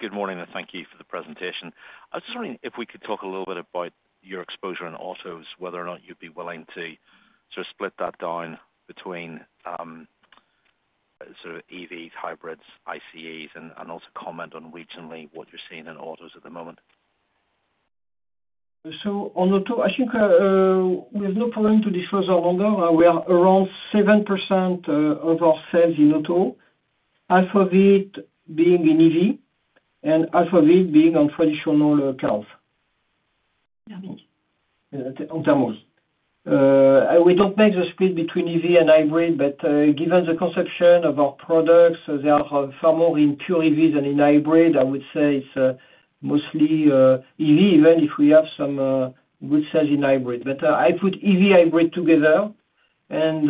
Good morning and thank you for the presentation. I was just wondering if we could talk a little bit about your exposure in autos, whether or not you'd be willing to sort of split that down between sort of EVs, hybrids, ICEs, and also comment on regionally what you're seeing in autos at the moment? So on auto, I think we have no problem to disclose our number. We are around 7% of our sales in auto, half of it being in EV and half of it being on traditional cars. Thermal. On thermal. We don't make the split between EV and hybrid, but given the conception of our products, they are far more in pure EVs than in hybrid. I would say it's mostly EV, even if we have some good sales in hybrid. But I put EV, hybrid together, and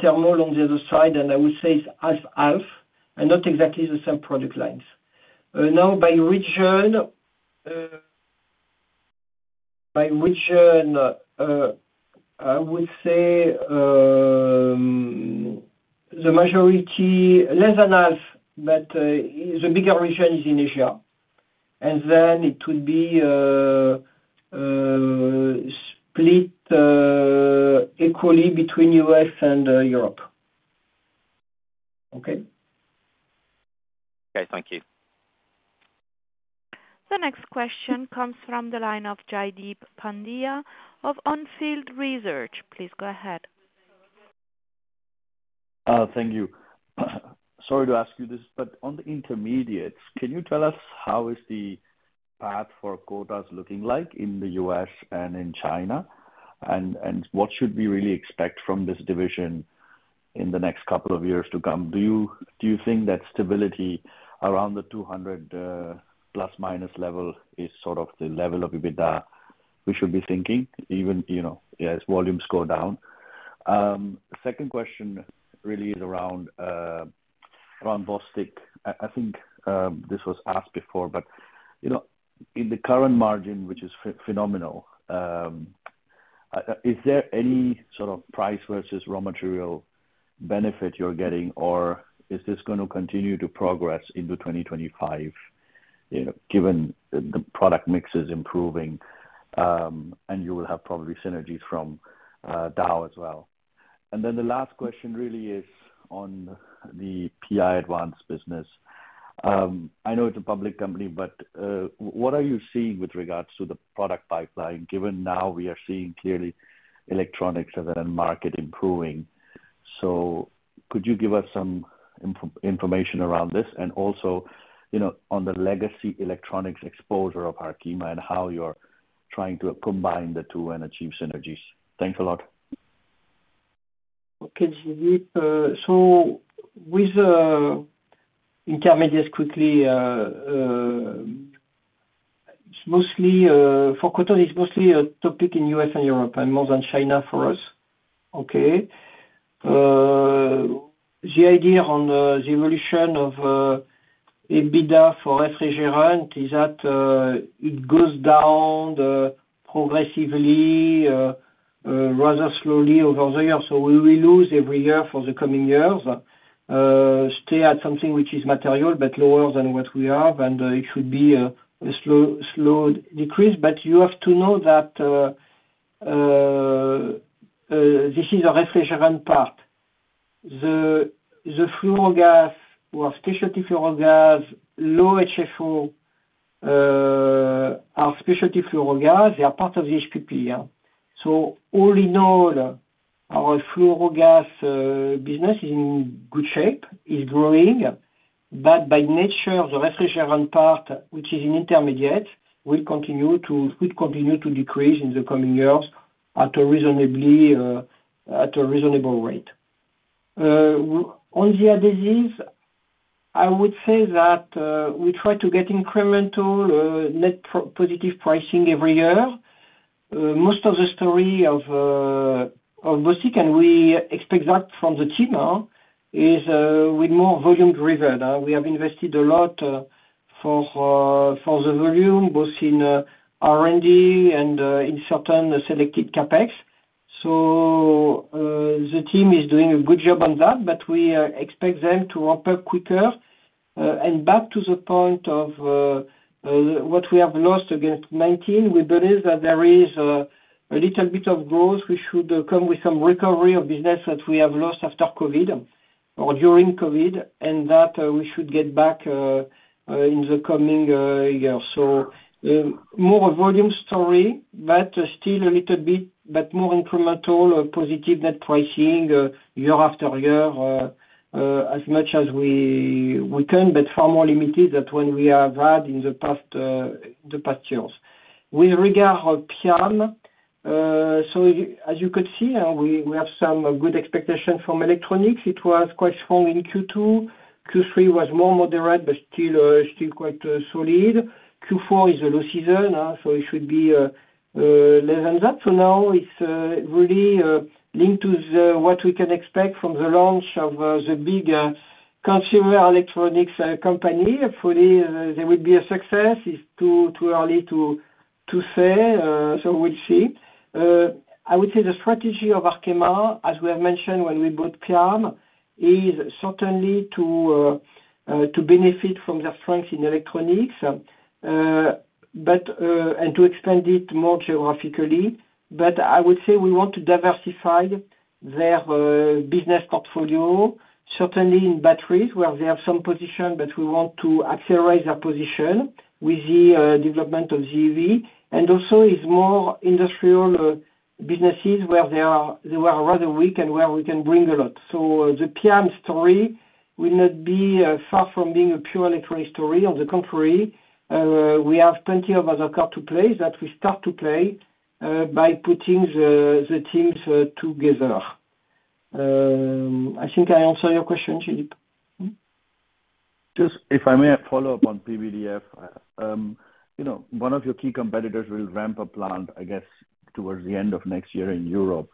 thermal on the other side, and I would say it's half, half, and not exactly the same product lines. Now, by region, I would say the majority less than half, but the bigger region is in Asia. And then it would be split equally between U.S. and Europe. Okay? Okay. Thank you. The next question comes from the line of Jaideep Pandya of On Field Research. Please go ahead. Thank you. Sorry to ask you this, but on the intermediates, can you tell us how is the path for quotas looking like in the U.S. and in China, and what should we really expect from this division in the next couple of years to come? Do you think that stability around the 200 plus minus level is sort of the level of EBITDA we should be thinking, even as volumes go down? Second question really is around Bostik. I think this was asked before, but in the current margin, which is phenomenal, is there any sort of price versus raw material benefit you're getting, or is this going to continue to progress into 2025 given the product mix is improving and you will have probably synergies from Dow as well? And then the last question really is on the PI Advanced business. I know it's a public company, but what are you seeing with regards to the product pipeline given now we are seeing clearly electronics as an end market improving? So could you give us some information around this and also on the legacy electronics exposure of Arkema and how you're trying to combine the two and achieve synergies? Thanks a lot. Okay. So with intermediates quickly, it's mostly for quotas, it's mostly a topic in U.S. and Europe and more than China for us. Okay? The idea on the evolution of EBITDA for refrigerant is that it goes down progressively rather slowly over the years. So we will lose every year for the coming years, stay at something which is material but lower than what we have, and it should be a slow decrease. But you have to know that this is a refrigerant part. The fluorogas or specialty fluorogas, low HFO, are specialty fluorogas, they are part of the HPP. So all in all, our fluorogas business is in good shape, is growing. But by nature, the refrigerant part, which is in intermediates, will continue to decrease in the coming years at a reasonable rate. On the adhesives, I would say that we try to get incremental net positive pricing every year. Most of the story of Bostik, and we expect that from the team, is with more volume driven. We have invested a lot for the volume, both in R&D and in certain selected CapEx. So the team is doing a good job on that, but we expect them to ramp up quicker, and back to the point of what we have lost against 2019, we believe that there is a little bit of growth. We should come with some recovery of business that we have lost after COVID or during COVID, and that we should get back in the coming year. So, more volume story, but still a little bit, but more incremental positive net pricing year after year as much as we can, but far more limited than what we have had in the past years. With regard to PIAM, so as you could see, we have some good expectations from electronics. It was quite strong in Q2. Q3 was more moderate, but still quite solid. Q4 is a low season, so it should be less than that. So now it's really linked to what we can expect from the launch of the big consumer electronics company. Hopefully, there will be a success. It's too early to say, so we'll see. I would say the strategy of Arkema, as we have mentioned when we bought PIAM, is certainly to benefit from their strength in electronics and to expand it more geographically. But I would say we want to diversify their business portfolio, certainly in batteries where they have some position, but we want to accelerate their position with the development of EV. And also it's more industrial businesses where they were rather weak and where we can bring a lot. So the PIAM story will not be far from being a pure electronics story. On the contrary, we have plenty of other cards to play that we start to play by putting the teams together. I think I answered your question, Jaideep. Just if I may follow up on PVDF, one of your key competitors will ramp up plant, I guess, towards the end of next year in Europe,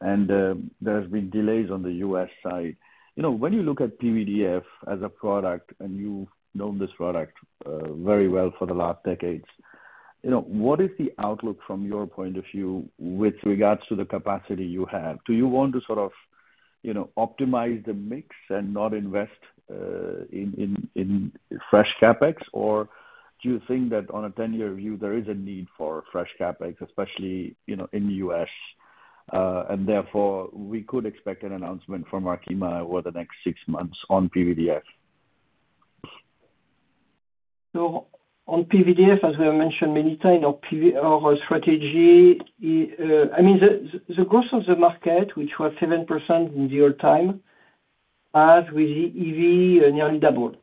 and there have been delays on the U.S. side. When you look at PVDF as a product, and you've known this product very well for the last decades, what is the outlook from your point of view with regards to the capacity you have? Do you want to sort of optimize the mix and not invest in fresh CapEx, or do you think that on a 10-year view, there is a need for fresh CapEx, especially in the U.S., and therefore, we could expect an announcement from Arkema over the next six months on PVDF. So on PVDF, as we have mentioned many times, our strategy I mean, the growth of the market, which was 7% in the old time, has with EV nearly doubled.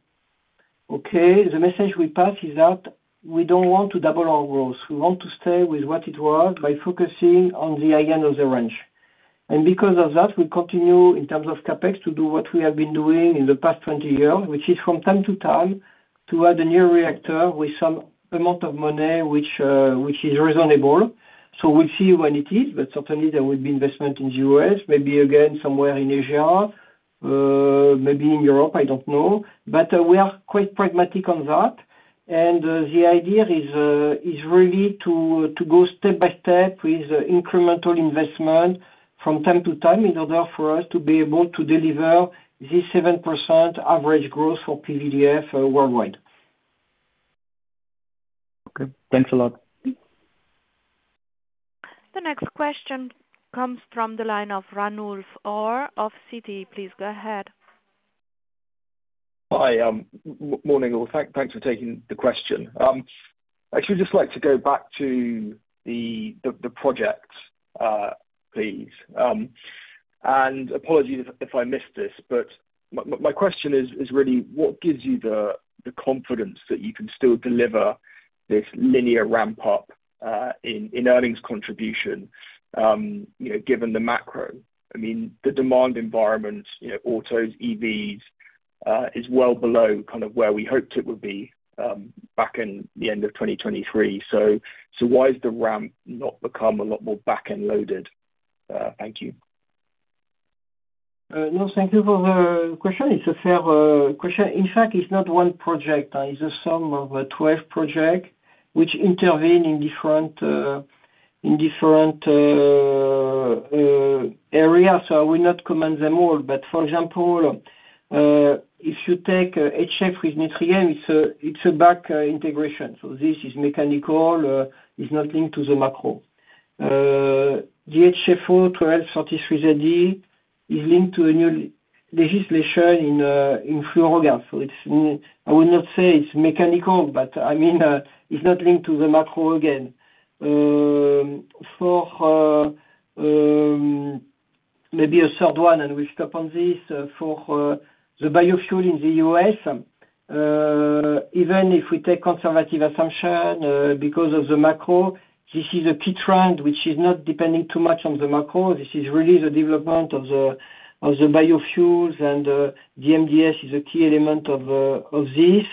Okay? The message we pass is that we don't want to double our growth. We want to stay with what it was by focusing on the high end of the range. And because of that, we continue in terms of CapEx to do what we have been doing in the past 20 years, which is from time to time to add a new reactor with some amount of money which is reasonable. So we'll see when it is, but certainly there will be investment in the U.S., maybe again somewhere in Asia, maybe in Europe, I don't know. But we are quite pragmatic on that. The idea is really to go step by step with incremental investment from time to time in order for us to be able to deliver this 7% average growth for PVDF worldwide. Okay. Thanks a lot. The next question comes from the line of Ranulf Orr of Citi. Please go ahead. Hi. Morning, all. Thanks for taking the question. Actually, I'd just like to go back to the project, please, and apologies if I missed this, but my question is really, what gives you the confidence that you can still deliver this linear ramp-up in earnings contribution given the macro? I mean, the demand environment, autos, EVs, is well below kind of where we hoped it would be back in the end of 2023. So why has the ramp not become a lot more back-end loaded? Thank you. No, thank you for the question. It's a fair question. In fact, it's not one project. It's a sum of 12 projects which intervene in different areas. So I will not comment them all. But for example, if you take HF with Nutrien, it's a back integration. So this is mechanical. It's not linked to the macro. The HFO-1233zd is linked to a new legislation in fluorogas. So I would not say it's mechanical, but I mean, it's not linked to the macro again. For maybe a third one, and we'll stop on this, for the biofuel in the US, even if we take conservative assumption because of the macro, this is a key trend which is not depending too much on the macro. This is really the development of the biofuels, and the DMDS is a key element of this.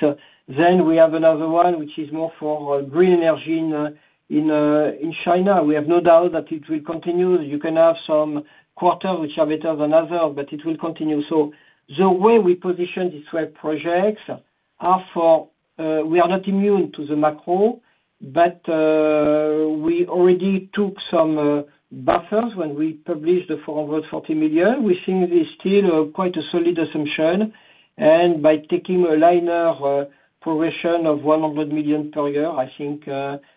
Then we have another one which is more for green energy in China. We have no doubt that it will continue. You can have some quarters which are better than others, but it will continue. So the way we position these 12 projects are for we are not immune to the macro, but we already took some buffers when we published the 440 million. We think it's still quite a solid assumption. And by taking a linear progression of 100 million per year, I think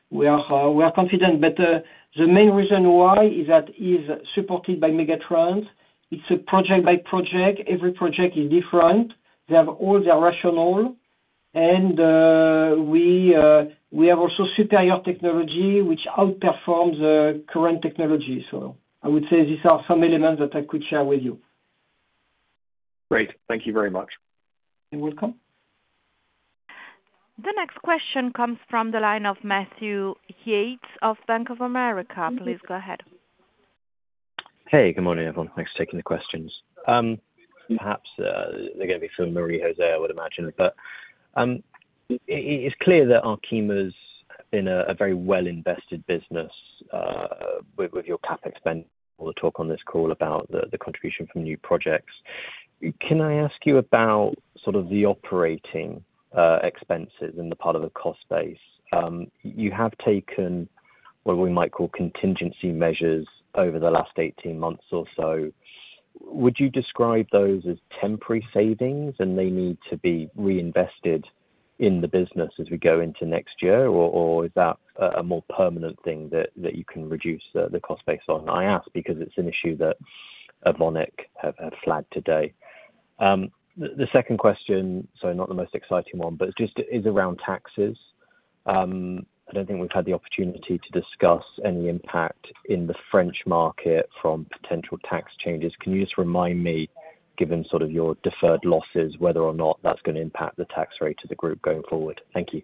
we are confident. But the main reason why is that it is supported by megatrends. It's a project-by-project. Every project is different. They have all their rationale. And we have also superior technology which outperforms current technology. So I would say these are some elements that I could share with you. Great. Thank you very much. You're welcome. The next question comes from the line of Matthew Yates of Bank of America. Please go ahead. Hey, good morning, everyone. Thanks for taking the questions. Perhaps they're going to be for Marie-José, I would imagine. But it's clear that Arkema's been a very well-invested business with your CapEx. We'll talk on this call about the contribution from new projects. Can I ask you about sort of the operating expenses in the part of the cost base? You have taken what we might call contingency measures over the last 18 months or so. Would you describe those as temporary savings, and they need to be reinvested in the business as we go into next year, or is that a more permanent thing that you can reduce the cost base on? I ask because it's an issue that Evonik have flagged today. The second question, so not the most exciting one, but it's just around taxes. I don't think we've had the opportunity to discuss any impact in the French market from potential tax changes. Can you just remind me, given sort of your deferred losses, whether or not that's going to impact the tax rate of the group going forward? Thank you.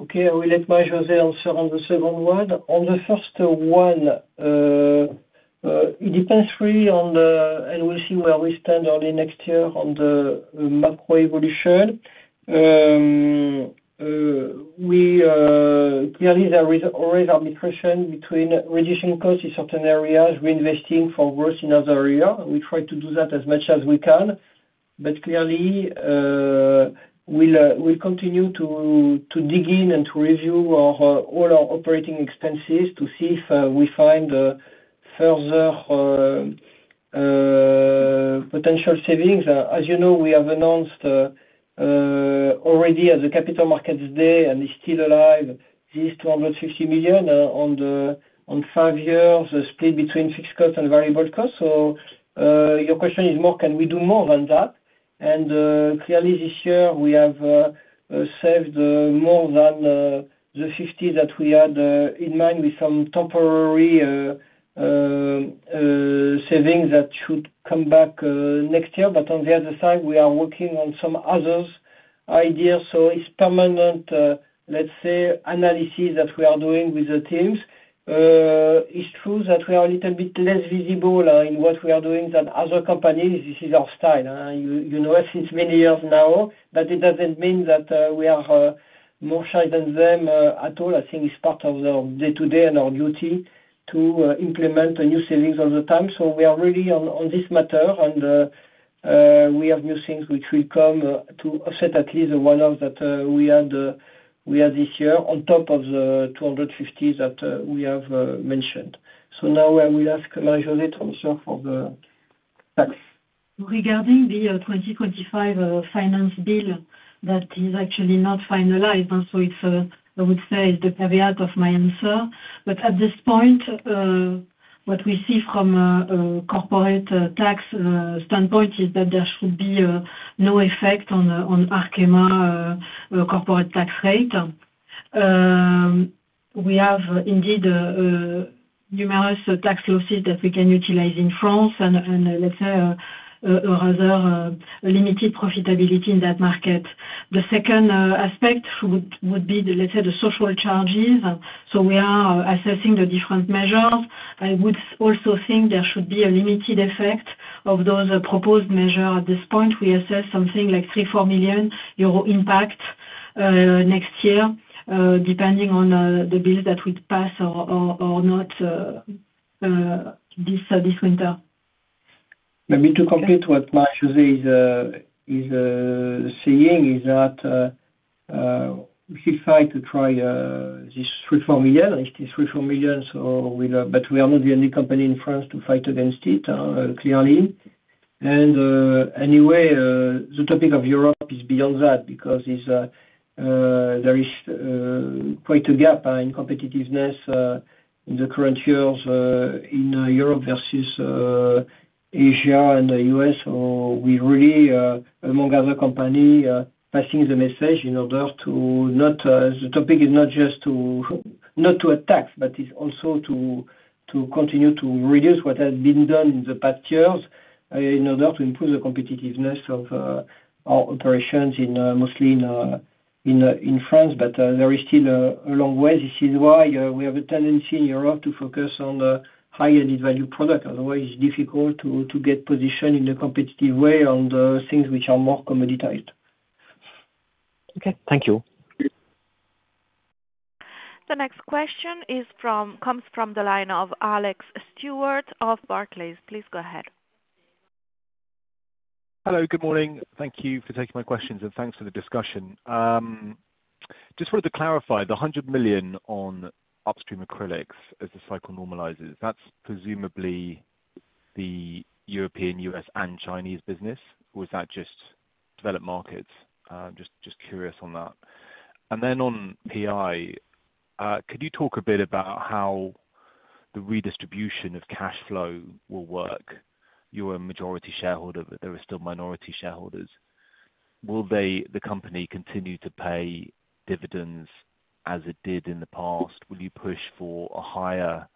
Okay. I will let Marie-José answer on the second one. On the first one, it depends really on the and we'll see where we stand early next year on the macro evolution. Clearly, there is always arbitration between reducing costs in certain areas, reinvesting for growth in other areas. We try to do that as much as we can. But clearly, we'll continue to dig in and to review all our operating expenses to see if we find further potential savings. As you know, we have announced already at the Capital Market Day, and it's still alive, these 250 million on five years split between fixed costs and variable costs. So your question is more, can we do more than that? And clearly, this year, we have saved more than the 50 million that we had in mind with some temporary savings that should come back next year. But on the other side, we are working on some other ideas. So it's permanent, let's say, analysis that we are doing with the teams. It's true that we are a little bit less visible in what we are doing than other companies. This is our style. You know us since many years now, but it doesn't mean that we are more shy than them at all. I think it's part of their day-to-day and our duty to implement new savings all the time. So we are really on this matter, and we have new things which will come to offset at least the one-off that we had this year on top of the 250 that we have mentioned. So now I will ask Marie-José to answer for the tax. Regarding the 2025 Finance Bill that is actually not finalized, so I would say it's the caveat of my answer, but at this point, what we see from a corporate tax standpoint is that there should be no effect on Arkema's corporate tax rate. We have indeed numerous tax losses that we can utilize in France and, let's say, a rather limited profitability in that market. The second aspect would be, let's say, the social charges, so we are assessing the different measures. I would also think there should be a limited effect of those proposed measures. At this point, we assess something like 3.4 million euro impact next year, depending on the bills that we pass or not this winter. Maybe to complete what Marie-José is saying is that we should try to fight this 3.4 million. It's 3.4 million, but we are not the only company in France to fight against it, clearly. Anyway, the topic of Europe is beyond that because there is quite a gap in competitiveness in the current years in Europe versus Asia and the U.S. So we really, among other companies, are passing the message in order to not. The topic is not just to attack, but it's also to continue to reduce what has been done in the past years in order to improve the competitiveness of our operations mostly in France. But there is still a long way. This is why we have a tendency in Europe to focus on high-added value products. Otherwise, it's difficult to get positioned in a competitive way on things which are more commoditized. Okay. Thank you. The next question comes from the line of Alex Stewart of Barclays. Please go ahead. Hello. Good morning. Thank you for taking my questions, and thanks for the discussion. Just wanted to clarify the 100 million on upstream acrylics as the cycle normalizes. That's presumably the European, U.S., and Chinese business, or is that just developed markets? Just curious on that. And then on PI, could you talk a bit about how the redistribution of cash flow will work? You're a majority shareholder, but there are still minority shareholders. Will the company continue to pay dividends as it did in the past? Will you push for a higher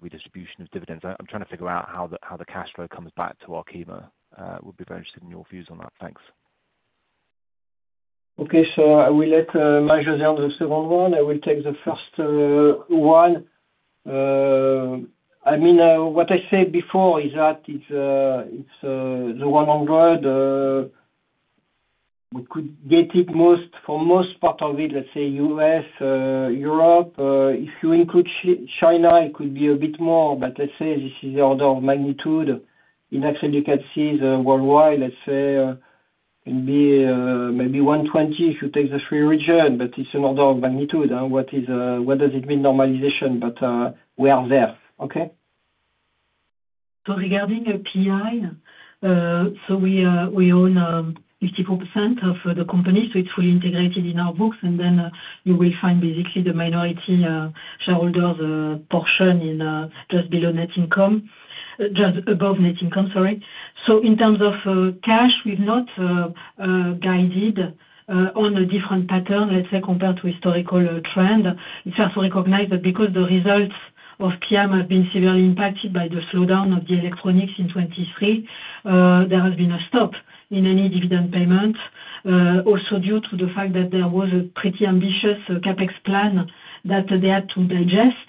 redistribution of dividends? I'm trying to figure out how the cash flow comes back to Arkema. Would be very interested in your views on that. Thanks. Okay. So I will let Marie-José answer the second one. I will take the first one. I mean, what I said before is that it's the 100. We could get it for most part of it, let's say, U.S., Europe. If you include China, it could be a bit more. But let's say this is the order of magnitude. Indexed indicators worldwide, let's say, can be maybe 120 if you take the three regions, but it's an order of magnitude. What does it mean, normalization? But we are there. Okay? Regarding PI, we own 54% of the company, so it's fully integrated in our books. Then you will find basically the minority shareholders' portion just below net income, just above net income, sorry. In terms of cash, we've not guided on a different pattern, let's say, compared to historical trend. It's hard to recognize that because the results of PI have been severely impacted by the slowdown of the electronics in 2023, there has been a stop in any dividend payment, also due to the fact that there was a pretty ambitious CapEx plan that they had to digest.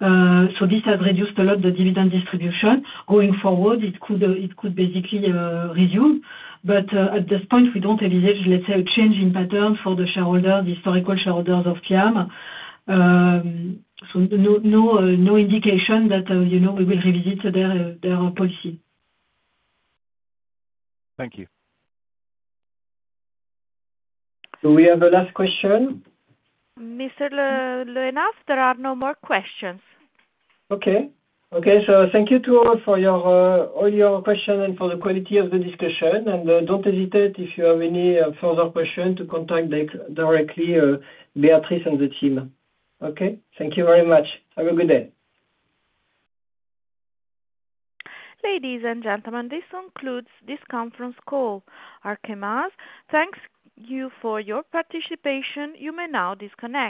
This has reduced a lot the dividend distribution. Going forward, it could basically resume. At this point, we don't envisage, let's say, a change in pattern for the shareholders, the historical shareholders of PIAM. No indication that we will revisit their policy. Thank you. Do we have a last question? Mr. Le Hénaff, there are no more questions. Okay. So thank you to all for all your questions and for the quality of the discussion. And don't hesitate if you have any further questions to contact directly Béatrice and the team. Okay? Thank you very much. Have a good day. Ladies and gentlemen, this concludes Arkema's conference call. Thank you for your participation. You may now disconnect.